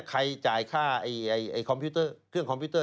ใครจ่ายค่าเครื่องคอมพิวเตอร์